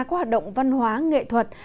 các hoạt động văn hóa nghệ thuật